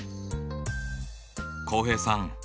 浩平さん